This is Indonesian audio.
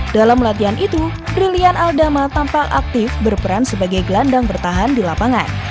dalam latihan itu brilian aldama tampak aktif berperan sebagai gelandang bertahan di lapangan